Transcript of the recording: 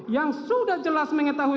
yang sudah jelas mengetahui